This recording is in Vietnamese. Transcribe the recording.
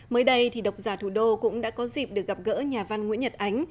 mới đây đọc giả thủ đô cũng đã có dịp được gặp gỡ nhà văn nguyễn nhật ánh